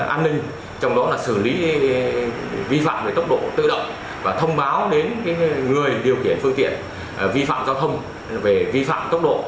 an ninh trong đó là xử lý vi phạm về tốc độ tự động và thông báo đến người điều khiển phương tiện vi phạm giao thông về vi phạm tốc độ